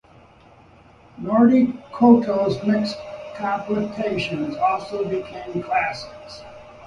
Norty Cotto's mixed compilations also became classics.